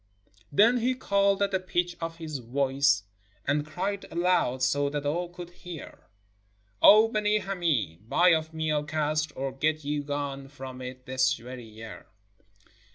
Then he called at the pitch of his voice, and cried aloud so that all could hear: " O Benee Hameed, buy of me Al Kasr — or get you gone from it this very year